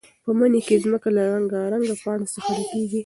په مني کې ځمکه له رنګارنګ پاڼو څخه ډکېږي.